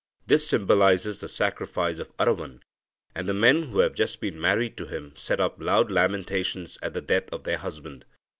This symbolises the sacrifice of Aravan, and the men who have just been married to him set up loud lamentations at the death of their husband.